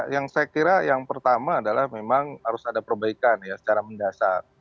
yang saya kira yang pertama adalah memang harus ada perbaikan ya secara mendasar